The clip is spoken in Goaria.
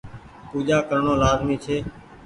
پوجآ ڪرڻو لآزمي ڇي۔